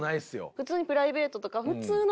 普通にプライベートとか普通の話？